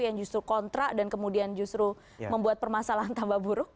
yang justru kontra dan kemudian justru membuat permasalahan tambah buruk